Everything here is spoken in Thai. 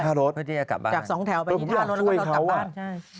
ค่ารสบายจากสองแถวไปจิงค่ารสไปก่อนหรือออกกลับบ้านใช่